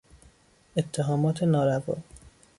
اتهامات ناروا